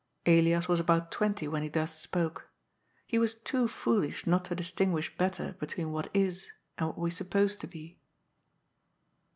Elias was about twenty when he thus spoke. He was too foolish not to distinguish better between what is and what we suppose to be.